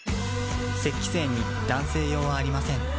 精に男性用はありません